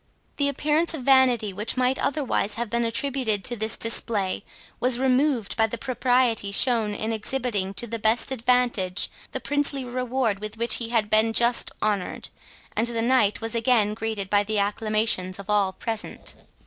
The appearance of vanity, which might otherwise have been attributed to this display, was removed by the propriety shown in exhibiting to the best advantage the princely reward with which he had been just honoured, and the Knight was again greeted by the acclamations of all present.